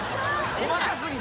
細か過ぎて。